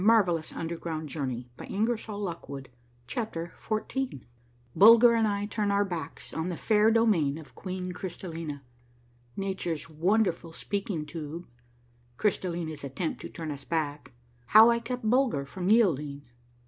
86 A MARVELLOUS UNDERGROUND JOURNEY CHAPTER XIV BULGER AND I TURN OUR BACKS ON THE FAIR DOMAIN OF QUEEN CRYSTALLINA. — NATURE'S WONDERFUL SPEAKING TUBE. — crystallina's attempt to turn us back. — HOW I KEPT BULGER FROM YIELDING.